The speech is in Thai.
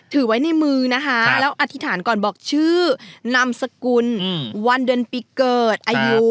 ถือไว้ในมือนะคะแล้วอธิษฐานก่อนบอกชื่อนามสกุลวันเดือนปีเกิดอายุ